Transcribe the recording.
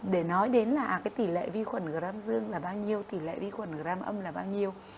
để nói đến là cái tỷ lệ vi khuẩn gram dương là bao nhiêu tỷ lệ vi khuẩn gram âm là bao nhiêu